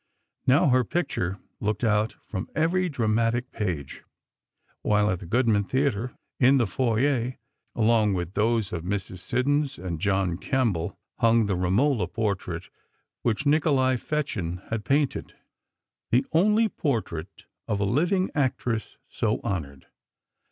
Now, her picture looked out from every dramatic page, while at the Goodman Theatre, in the foyer, along with those of Mrs. Siddons and John Kemble, hung the "Romola" portrait, which Nikolai Fechin had painted, the only portrait of a living actress so honored.